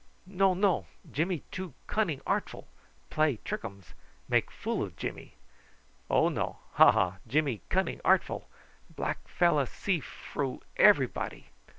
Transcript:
"No, no; Jimmy too cunning artful. Play trickums. Make fool o' Jimmy. Oh, no! Ha! ha! Jimmy cunning artful; black fellow see froo everybody."